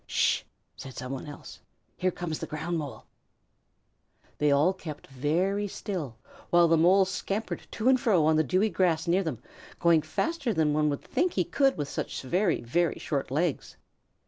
"St!" said somebody else. "There comes the Ground Mole." They all kept still while the Mole scampered to and fro on the dewy grass near them, going faster than one would think he could with such very, very short legs.